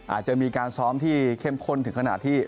อาจจะมีการซ้อมที่เข้มข้นถึงขนาดที่